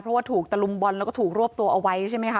เพราะว่าถูกตะลุมบอลแล้วก็ถูกรวบตัวเอาไว้ใช่ไหมคะ